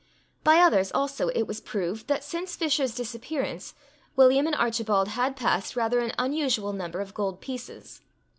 By others, also, it was proved, that since Fisher's disappearance, William and Archibald had passed rather an unusual number of gold pieces.